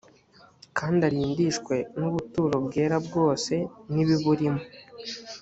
kandi arindishwe n’ubuturo bwera bwose n’ibiburimo